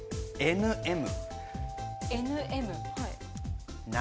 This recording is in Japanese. ＮＭ。